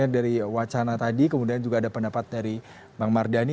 dari wacana tadi kemudian juga ada pendapat dari bang mardhani